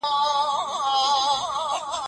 تاسو د شنو سابو په مینځلو بوخت یاست.